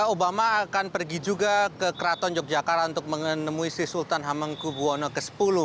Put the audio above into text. obama akan pergi juga ke kraton yogyakarta untuk menemui sri sultan hamengku buwono x